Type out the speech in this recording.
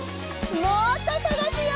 もっとさがすよ！